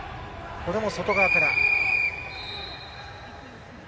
これも外側から。